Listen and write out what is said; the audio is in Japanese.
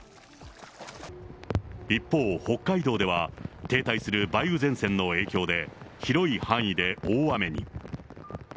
一方、北海道では、停滞する梅雨前線の影響で、広い範囲で大雨に。